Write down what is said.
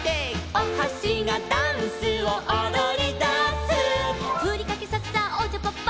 「おはしがダンスをおどりだす」「ふりかけさっさおちゃぱっぱ」